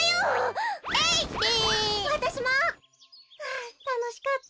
あたのしかった。